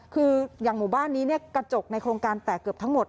คืออย่างหมู่บ้านนี้กระจกในโครงการแตกเกือบทั้งหมด